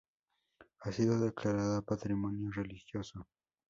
Ha sido declarada patrimonio religioso.